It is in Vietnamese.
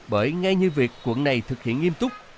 bởi ngay như việc quận này thực hiện nghiêm túc